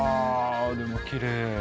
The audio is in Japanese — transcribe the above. でもきれい。